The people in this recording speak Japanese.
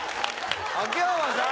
・秋山さーん